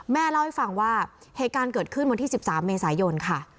เล่าให้ฟังว่าเหตุการณ์เกิดขึ้นวันที่๑๓เมษายนค่ะ